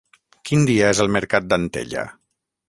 Quin dia és el mercat d'Antella?